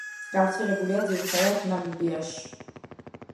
გავრცელებულია, ძირითადად, ნამიბიაში.